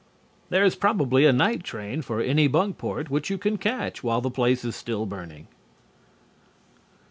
There is probably a night train for Anybunkport which you can catch while the place is still burning.